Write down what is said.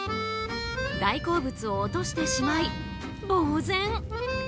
大好物を落としてしまいぼうぜん。